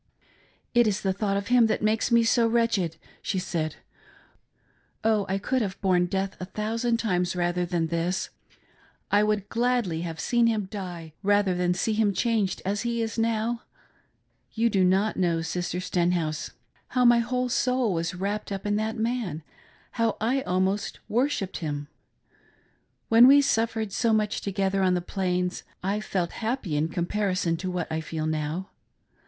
"It is the thought of him that makes me so wretched," she said, "oh, I could have borne death a thousand times rather than this. I would gladly have seen him die rather than see him changed as he is now. You do not know, Sister Sten house, how my whole soul was wrapped up in that man, how I almost worshipped him. When we suffered so much together on the Plains, I felt happy in comparison with what I feel now.